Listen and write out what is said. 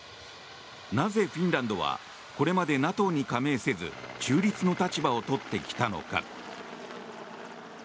なぜフィンランドはこれまでＮＡＴＯに加盟せず中立の立場をとってきたのか。